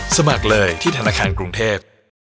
สมัครเลยที่ธนาคารกรุงเทพ